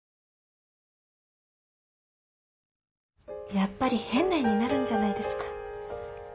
やっぱり変な絵になるんじゃないですか？